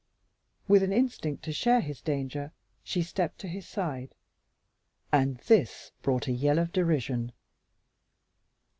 With an instinct to share his danger she stepped to his side, and this brought a yell of derision.